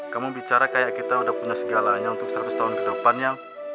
kamu bicara kayak kita udah punya segalanya untuk seratus tahun ke depannya